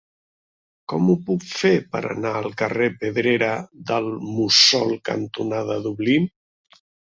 Com ho puc fer per anar al carrer Pedrera del Mussol cantonada Dublín?